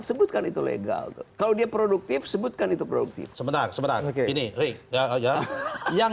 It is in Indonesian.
sebutkan itu legal kalau dia produktif sebutkan itu produktif sebentar sebentar ini yang